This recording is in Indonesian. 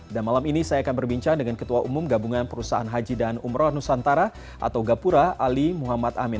dan malam ini saya akan berbincang dengan ketua umum gabungan perusahaan haji dan umroh nusantara atau gapura ali muhammad amin